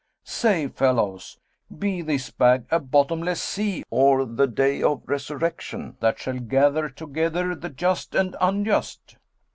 Say, fellows, be this bag a bottomless sea or the Day of Resurrection that shall gather together the just and unjust?'